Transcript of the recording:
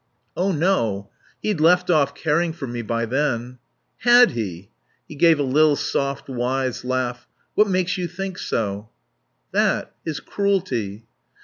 "Oh no. He'd left off caring for me by then." "Had he?" He gave a little soft, wise laugh. "What makes you think so?" "That. His cruelty."